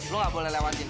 lo gak boleh lewatin